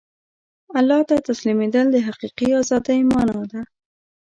الله ته تسلیمېدل د حقیقي ازادۍ مانا ده.